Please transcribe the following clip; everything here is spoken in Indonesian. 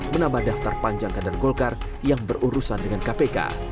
menambah daftar panjang kader golkar yang berurusan dengan kpk